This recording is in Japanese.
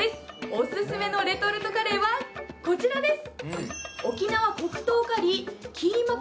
オススメのレトルトカレーはこちらです。